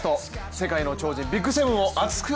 世界の超人ＢＩＧ７を熱く！